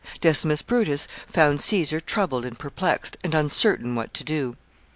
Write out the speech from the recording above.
Decimus Brutus found Caesar troubled and perplexed, and uncertain what to do.